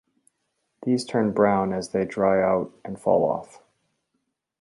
These turn brown as they dry out and fall off.